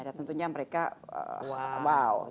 dan tentunya mereka wow